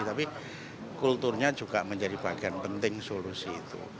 tapi kulturnya juga menjadi bagian penting solusi itu